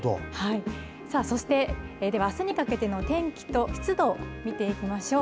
さあ、そして、では、あすにかけての天気と湿度を見ていきましょう。